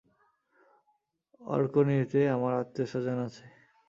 অর্কনিতে আমার আত্মীয়স্বজন আছে।